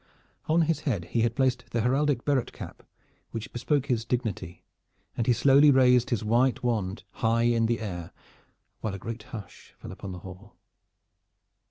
On his head he had placed the heraldic barret cap which bespoke his dignity, and he slowly raised his white wand high in the air, while a great hush fell upon the hall.